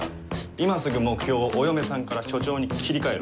今すぐ目標をお嫁さんから署長に切り替えろ。